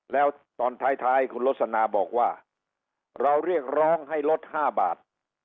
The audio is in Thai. แล้วตอนท้ายคุณลสนาบอกว่าเราเรียกร้องให้ลด๕บาท